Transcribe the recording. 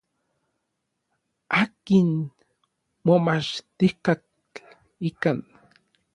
Akin momachtijkatl ikan.